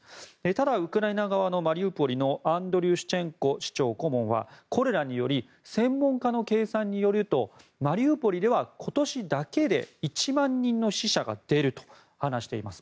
ただウクライナ側のマリウポリのアンドリュシチェンコ市長顧問はコレラにより専門家の計算によるとマリウポリでは今年だけで１万人の死者が出ると話しています。